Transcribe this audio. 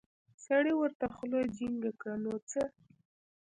سړي ورته خوله جينګه کړه نو څه.